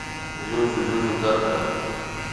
Llullu llukarka